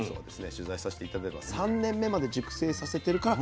取材させて頂いたのは３年目まで熟成させてるから。